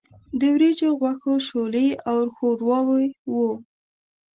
د وریجو، غوښو، شولې او ښورواوې وو.